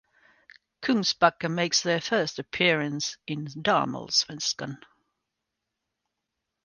Kungsbacka makes their first appearance in Damallsvenskan.